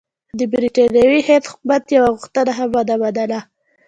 د برټانوي هند حکومت یوه غوښتنه هم ونه منله.